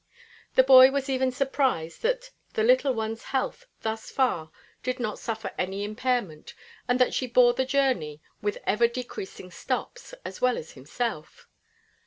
The boy was even surprised that the little one's health thus far did not suffer any impairment and that she bore the journey, with everdecreasing stops, as well as himself.